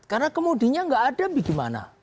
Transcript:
karena kemudinya nggak ada bagaimana